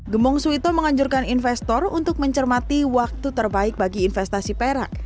gembong suito menganjurkan investor untuk mencermati waktu terbaik bagi investasi perak